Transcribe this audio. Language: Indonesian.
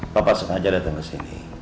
papa sengaja datang kesini